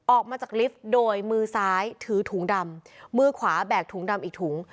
ออกมาจากลิฟต์โดยมือซ้ายถือถุงดำมือขวาแบกถุงดำอีกถุง